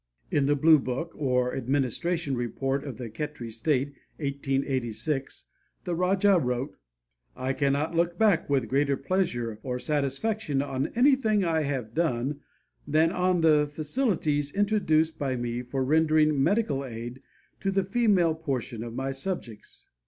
In the Blue Book, or Administration Report, of the Khetri State, 1886, the Rajah wrote: "I cannot look back with greater pleasure or satisfaction on anything I have done than on the facilities introduced by me for rendering medical aid to the female portion of my subjects.